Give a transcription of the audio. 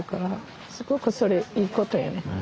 すごくそれいいことやね。